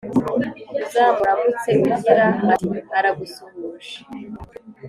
Uzamuramutse ugira ati aragusuhuje